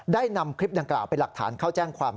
ได้นำคลิปดังกล่าวเป็นหลักฐานเข้าแจ้งความ